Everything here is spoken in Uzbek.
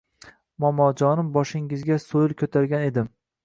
Momojonim boshingizga so‘yil ko‘targan edim.